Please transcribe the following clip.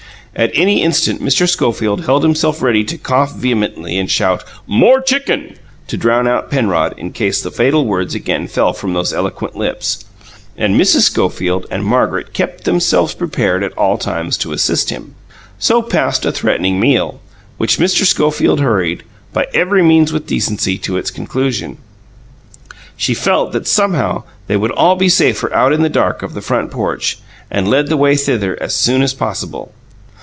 At any instant Mr. Schofield held himself ready to cough vehemently and shout, "More chicken," to drown out Penrod in case the fatal words again fell from those eloquent lips; and Mrs. Schofield and Margaret kept themselves prepared at all times to assist him. So passed a threatening meal, which Mrs. Schofield hurried, by every means with decency, to its conclusion. She felt that somehow they would all be safer out in the dark of the front porch, and led the way thither as soon as possible.